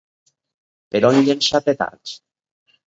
Per on llença petards?